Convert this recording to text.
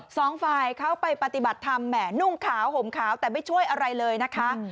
สองฝ่ายเขาไปปฏิบัติธรรมแห่นุ่งขาวห่มขาวแต่ไม่ช่วยอะไรเลยนะคะ